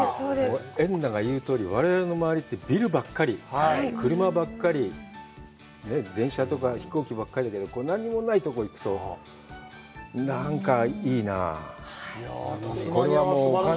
エンナが言うとおり、我々の周りって、ビルばっかり、車ばっかり、電車とか飛行機ばっかりだけど、何にもないところに行くと、なんかいいなあ。